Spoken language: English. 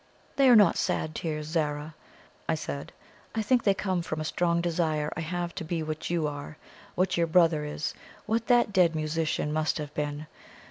"They are not sad tears, Zara," I said; "I think they come from a strong desire I have to be what you are, what your brother is, what that dead musician must have been.